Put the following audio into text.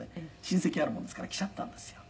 親戚あるもんですから来ちゃったんですよ」